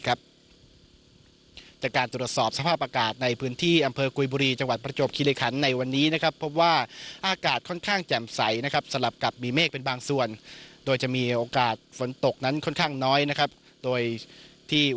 พร้อมกับโปรยดอกไม้บริเวณรอบต้นจันหอมแล้วใช้ขวานฟันที่บริเวณต้นจันหอมและเครื่องประโคมสังแตรภูสภามาลาและบันเทาะอีกครั้งก็จะเป็นการเสร็จพิธีในเวลา๑๔นาที